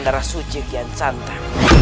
darah suci kian santa